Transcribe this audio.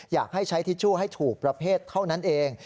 อยากให้ใช้ทิชชู่ให้ถูกประเภทเท่านั้นเอง